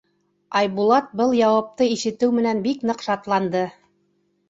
Айбулат был яуапты ишетеү менән бик ныҡ шатланды.